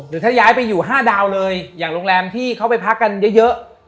หรือถ้าย้ายไปอยู่๕ดาวเลยอย่างโรงแรมที่เขาไปพักกันเยอะ